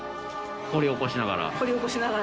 掘り起こしながら？